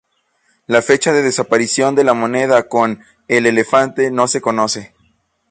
La fecha de desaparición de la moneda con "el Elefante" no se conoce.